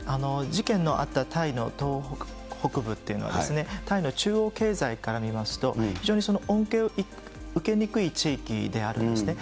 事件のあったタイの東北部っていうのはですね、タイの中央経済から見ますと、非常に恩恵を受けにくい地域であるんですね。